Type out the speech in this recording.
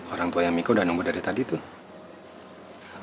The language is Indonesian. orang tua yang miko udah nunggu dari tadi tuh